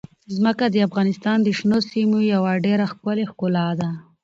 ځمکه د افغانستان د شنو سیمو یوه ډېره ښکلې ښکلا ده.